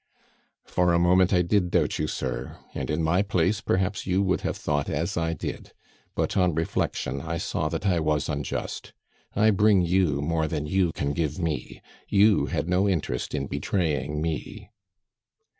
"For a moment I did doubt you, sir, and in my place perhaps you would have thought as I did, but on reflection I saw that I was unjust. I bring you more than you can give me; you had no interest in betraying me."